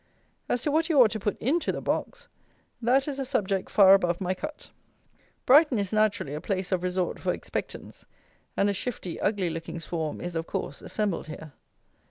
As to what you ought to put into the box, that is a subject far above my cut. Brighton is naturally a place of resort for expectants, and a shifty ugly looking swarm is, of course, assembled here.